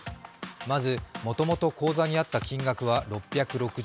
まずもともと口座にあった金額は６６５円。